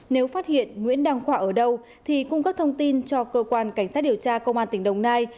nếu phát hiện nguyễn đăng khoa ở đâu thì cung cấp thông tin cho cơ quan cảnh sát điều tra công an tỉnh đồng nai